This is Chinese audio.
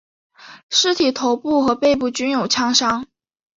尸体头部和背部均有枪伤。